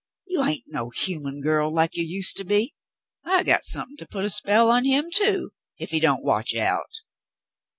You hain't no human girl like you used to be. I got somethin' to put a spell on him, too, ef he don't watch out."